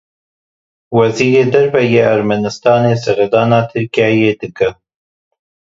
Wezîrê Derve yê Ermenistanê serdana Tirkiyeyê dike.